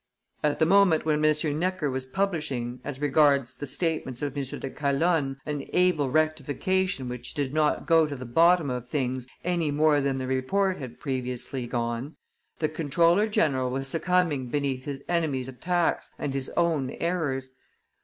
At the moment when M. Necker was publishing, as regarded the statements of M. de Calonne, an able rectification which did not go to the bottom of things any more than the Report had previously gone, the comptroller general was succumbing beneath his enemies' attacks and his own errors.